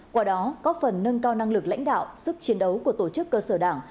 qua đó có phần nâng cao năng lực lãnh đạo sức chiến đấu của tổ chức cơ sở đảng